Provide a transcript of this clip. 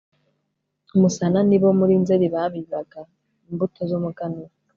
musana ni bo, muri nzeri, babibaga imbuto z'umuganura